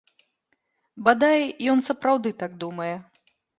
Бадай, ён сапраўды так думае.